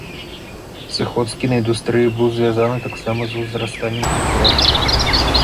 Сыход з кінаіндустрыі быў звязаны таксама з узрастаннем канкурэнцыі.